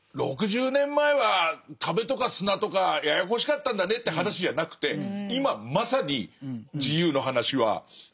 ６０年前は壁とか砂とかややこしかったんだねって話じゃなくて会社家族。